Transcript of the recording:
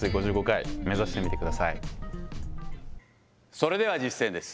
それでは実践です。